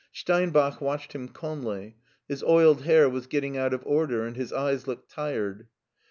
Steinbach watched him calmly. His oiled hair was getting out of order and his eyes looked tired.